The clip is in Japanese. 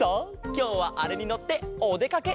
きょうはあれにのっておでかけ。